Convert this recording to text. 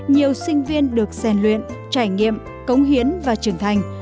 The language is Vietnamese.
nhiều sinh viên được rèn luyện trải nghiệm cống hiến và trưởng thành